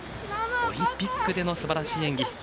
オリンピックでの素晴らしい演技